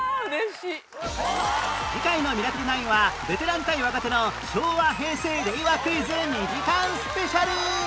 次回の『ミラクル９』はベテラン対若手の昭和平成令和クイズ２時間スペシャル